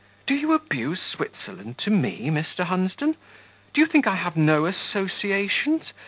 "Do you abuse Switzerland to me, Mr. Hunsden? Do you think I have no associations?